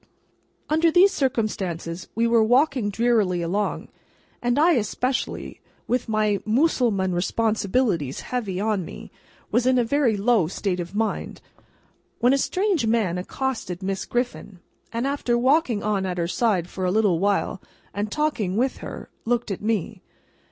Under these circumstances, we were walking drearily along; and I especially, with my Moosulmaun responsibilities heavy on me, was in a very low state of mind; when a strange man accosted Miss Griffin, and, after walking on at her side for a little while and talking with her, looked at me.